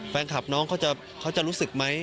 แฟนคลับน้องเขาจะรู้สึกไหม